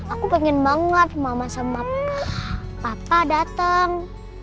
aku pengen banget mama sama papa datang